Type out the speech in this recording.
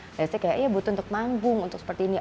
sebenarnya kayak ya butuh untuk manggung untuk seperti ini